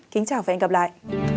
kính chào và hẹn gặp lại